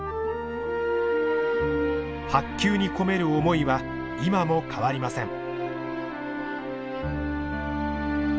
白球に込める思いは今も変わりません。